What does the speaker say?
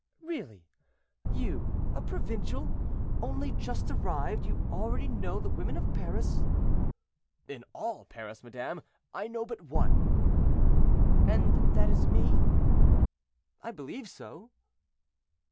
"Really! you, a provincial, only just arrived, you already know the women of Paris?" "In all Paris, madame, I know but one." "And that is me?" "I believe so."